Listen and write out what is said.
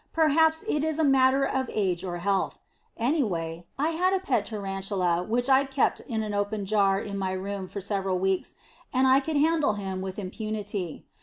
Perhaps it is a matter of age or health. Anyway, I had a pet tarantula which I kept in an open jar in my room for several weeks, and I could handle him with impunity.